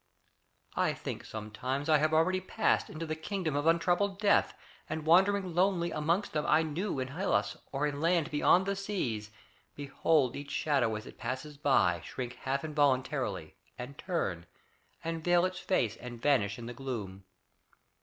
I think sometimes I have already passed Into the kingdom of untroubled death, And wandering lonely amongst them I knew In Hellas or that land beyond the seas, Behold each shadow as it passes by Shrink half involuntarily, and turn, And veil its face and vanish in the gloom.